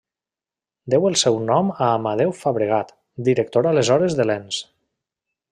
Deu el seu nom a Amadeu Fabregat, director aleshores de l'ens.